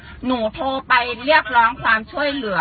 เกี่ยวค่ะหนูโทรไปเรียบร้องความช่วยเหลือ